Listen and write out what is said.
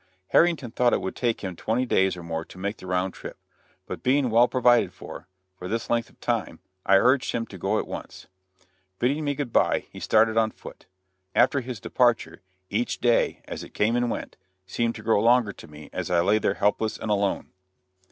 Harrington thought it would take him twenty days or more to make the round trip; but being well provided for for this length of time I urged him to go at once. Bidding me good bye he started on foot. After his departure, each day, as it came and went, seemed to grow longer to me as I lay there helpless and alone.